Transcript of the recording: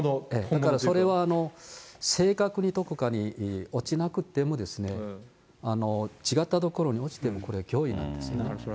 だからそれは、正確にどこかに落ちなくても、違った所に落ちてもこれ脅威なんですね。